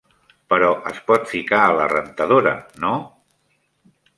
Però es pot ficar a la rentadora, no?